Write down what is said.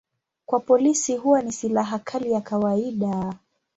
Kwa polisi huwa ni silaha kali ya kawaida.